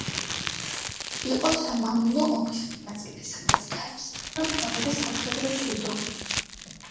იყო სამამულო ომის მონაწილე, სადაც დაიმსახურა მრავალი სამხედრო ჯილდო.